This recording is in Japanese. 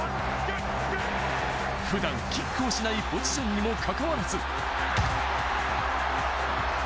普段キックをしないポジションにも関わらず。